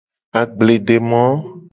Agbledemo.